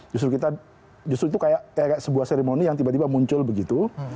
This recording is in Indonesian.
justru itu seperti sebuah cerimoni yang tiba tiba muncul begitu